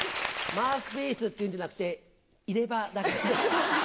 マウスピースっていうんじゃなくて、入れ歯だから。